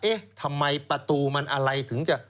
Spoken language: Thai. เอ๊ะทำไมประตูมันอะไรถึงจะ